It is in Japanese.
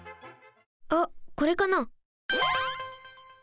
あっこれかな？